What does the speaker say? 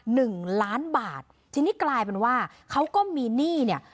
หนึ่งล้านบาททีนี้กลายเป็นว่าเขาก็มีหนี้เนี่ย